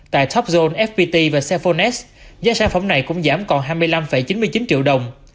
tại topzone fpt và cellphone x giá sản phẩm này cũng giảm còn hai mươi năm chín mươi chín triệu đồng